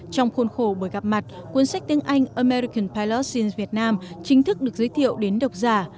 trong khôn khổ buổi gặp mặt cuốn sách tiếng anh american pilots in vietnam chính thức được giới thiệu đến độc giả